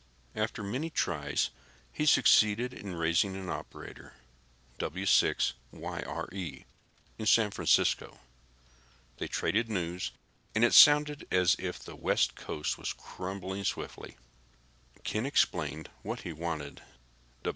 After many tries, he succeeded in raising an operator, W6YRE, in San Francisco. They traded news, and it sounded as if the west coast city was crumbling swiftly. Ken explained what he wanted.